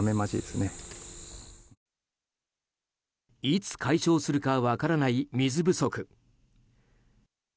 いつ解消するか分からない水不足。